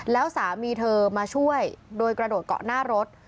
แล้วสามีเธอมาช่วยโดยกระโดดเกาะหน้ารถ